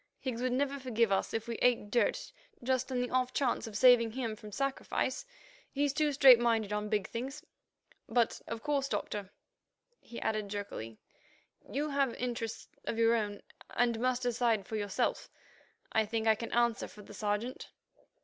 "Higgs would never forgive us if we ate dirt just on the off chance of saving him from sacrifice. He's too straight minded on big things. But, of course, Doctor," he added jerkily, "you have interests of your own and must decide for yourself. I think I can speak for the Sergeant."